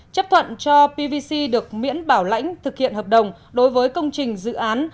chấp thuận cho pvc được miễn bảo lãnh thực hiện hợp đồng đối với công trình dự án